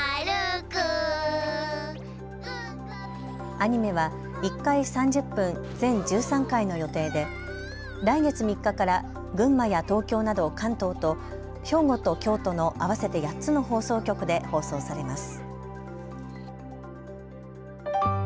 アニメは１回３０分・全１３回の予定で来月３日から群馬や東京など関東と兵庫と京都の合わせて８つの放送局で放送されます。